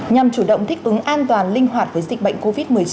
nhằm chủ động thích ứng an toàn linh hoạt với dịch bệnh covid một mươi chín